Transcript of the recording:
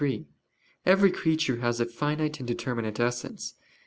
3: Every creature has a finite and determinate essence.